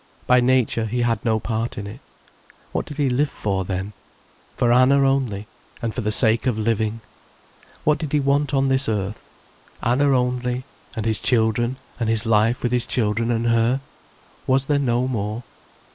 By nature, he had no part in it. What did he live for, then? For Anna only, and for the sake of living? What did he want on this earth? Anna only, and his children, and his life with his children and her? Was there no more?